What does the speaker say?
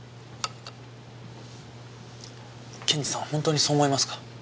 検事さんは本当にそう思いますか？